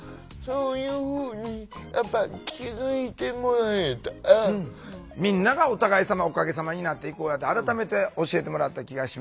それは別にみんながお互いさまおかげさまになっていこうやって改めて教えてもらった気がします。